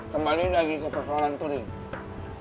kembali lagi ke persoalan turun